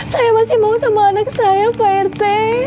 saya masih mau sama anak saya pak rt